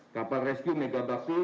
kapal rescue megabakti